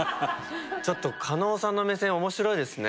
ちょっと加納さんの目線面白いですね。